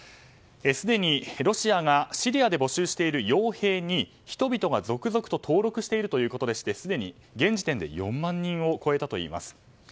すでにロシアがシリアで募集している傭兵に人々が続々と登録しているということでしてすでに現時点で４万人を超えたといいます。